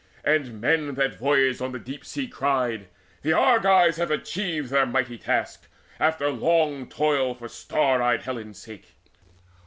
And men that voyaged on the deep sea cried: "The Argives have achieved their mighty task After long toil for star eyed Helen's sake.